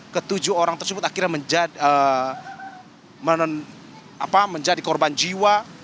ketujuh orang tersebut akhirnya menjadi korban jiwa